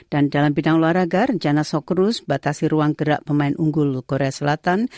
dan dalam bidang luar agar jana sokoro sebatasi ruang gerak pemain unggul korea selatan